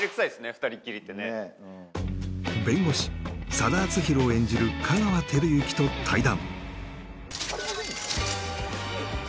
二人っきりってね弁護士佐田篤弘を演じる香川照之と対談